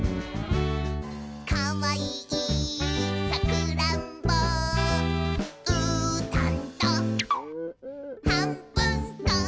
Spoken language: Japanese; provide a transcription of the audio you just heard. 「かわいいさくらんぼ」「うーたんとはんぶんこ！」